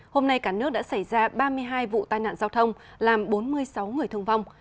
hôm nay cả nước đã xảy ra ba mươi hai vụ tai nạn giao thông làm bốn mươi sáu người thương vong